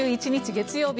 月曜日